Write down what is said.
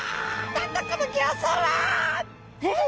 何だこの形相は！えっ？